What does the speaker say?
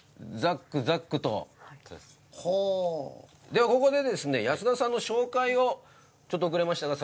ではここでですね安田さんの紹介をちょっと遅れましたが。